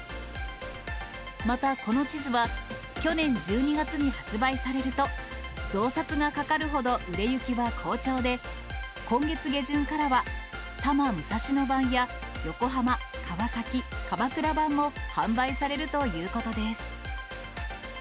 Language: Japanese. またこの地図は、去年１２月に発売されると、増刷がかかるほど売れ行きは好調で、今月下旬からは、多摩・武蔵野版や、横浜、川崎、鎌倉版も販売されるということです。